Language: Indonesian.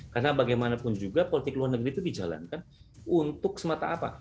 karena bagaimanapun juga politik luar negeri itu dijalankan untuk semata apa